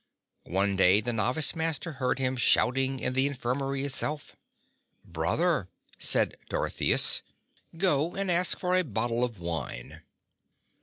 One day the Novice Master heard him shouting in the infirmary itself. "Brother," said Dorotheus, "go and ask for a bottle of wine."